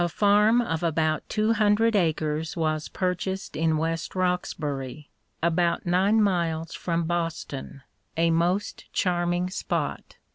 2, EMERSON 145 A farm of about two hundred acres was pur chased in West Roxbury, about nine miles from Boston — a most charming spot.